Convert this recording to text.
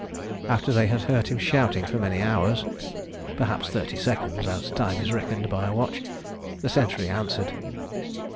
After they had heard him shouting for many hours (perhaps thirty seconds, as time is reckoned by a watch), the sentry answered.